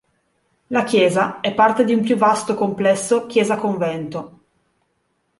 La chiesa è parte di un più vasto complesso chiesa-convento.